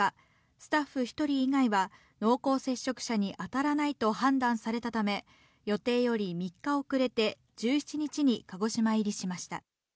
スタッフ１人以外は濃厚接触者に当たらないと判断されたため予定より３日遅れて１７日に鹿児島入りしました。